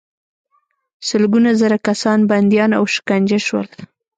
سلګونه زره کسان بندیان او شکنجه شول.